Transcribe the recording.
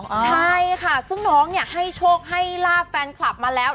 ใช่ค่ะซึ่งน้องเนี่ยให้โชคให้ลาบแฟนคลับมาแล้ว